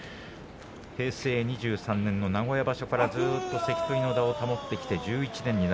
平成２３年の名古屋場所からずっと関取の座を守ってきました。